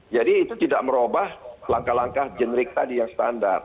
jadi itu tidak merubah langkah langkah jenerik tadi yang standar